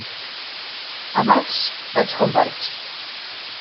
A maig, vaig com vaig.